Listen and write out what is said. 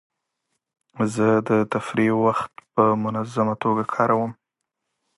زه د تفریح وخت په منظمه توګه کاروم.